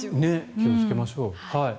気をつけましょう。